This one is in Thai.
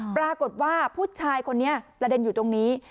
ปรากฏว่าผู้ชายคนนี้ประเด็นอยู่ตรงนี้